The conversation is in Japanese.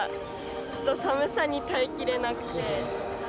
ちょっと寒さに耐えきれなくて。